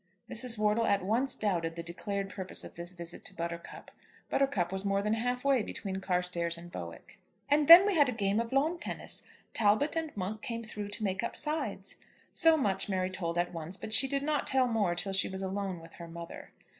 Mrs. Wortle at once doubted the declared purpose of this visit to Buttercup. Buttercup was more than half way between Carstairs and Bowick. "And then we had a game of lawn tennis. Talbot and Monk came through to make up sides." So much Mary told at once, but she did not tell more till she was alone with her mother.